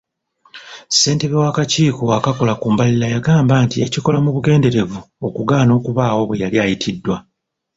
Ssentebe w'akakiiko akakola ku mbalirira yagamba nti yakikola mu bugenderevu okugaana okubaawo bwe yali ayitiddwa.